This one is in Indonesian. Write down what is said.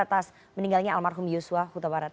atas meninggalnya almarhum yusuf huta barat